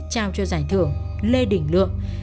trao cho giải thưởng lê đình lượng